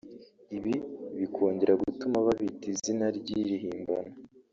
Ibi bikongera gutuma babita izina ry’irihimbano